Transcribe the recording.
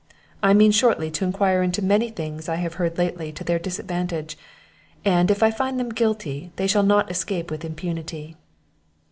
I mean shortly to enquire into many things I have heard lately to their disadvantage; and, if I find them guilty, they shall not escape with impunity."